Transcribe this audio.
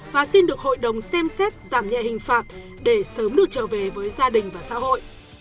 và xin được hội đồng xem xét giảm nhẹ hình phạt để sớm được trở về với gia đình và xã hội